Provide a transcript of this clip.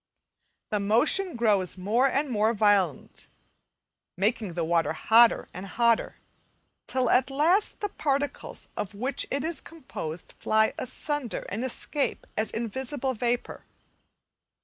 The motion grows more and more violent, making the water hotter and hotter, till at last the particles of which it is composed fly asunder, and escape as invisible vapour.